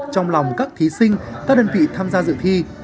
trong lòng các thí sinh các đơn vị tham gia dự thi